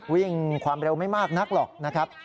วิ่งความเร็วไม่มากนักหรอกนะครับ